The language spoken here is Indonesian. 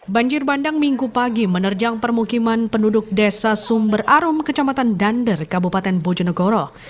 banjir bandang minggu pagi menerjang permukiman penduduk desa sumber arum kecamatan dander kabupaten bojonegoro